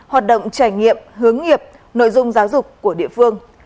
hoạt động trải nghiệm hướng nghiệp nội dung giáo dục của địa phương